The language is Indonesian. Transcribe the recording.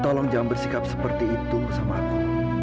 tolong jangan bersikap seperti itu sama aku